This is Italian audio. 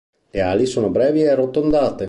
Le ali sono brevi e arrotondate.